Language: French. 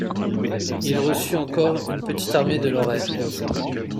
Il reçut encore une petite armée de Lorraine.